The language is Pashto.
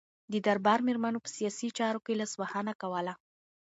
د دربار میرمنو په سیاسي چارو کې لاسوهنه کوله.